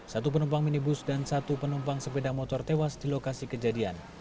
satu penumpang minibus dan satu penumpang sepeda motor tewas di lokasi kejadian